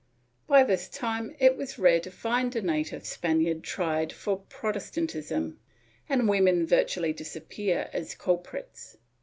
By this time it was rare to find a native Spaniard tried for Prot estantism, and women virtually disappear as culprits.